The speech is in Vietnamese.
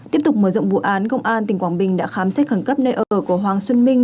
tiếp tục mở rộng vụ án công an tỉnh quảng bình đã khám xét khẩn cấp nơi ở của hoàng xuân minh